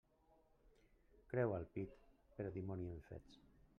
Creu al pit, però dimoni en fets.